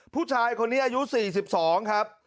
ผู้ชายคนนี้อายุ๔๒ครับ